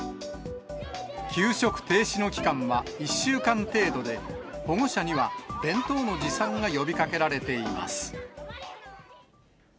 給食停止の期間は１週間程度で、保護者には弁当の持参が呼びかけられています。